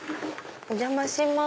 お邪魔します。